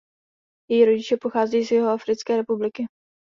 Její rodiče pochází z Jihoafrické republiky.